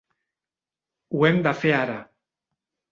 Ho hem de fer ara.